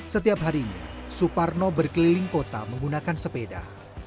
setiap harinya suparno berkeliling kota menggunakan sepeda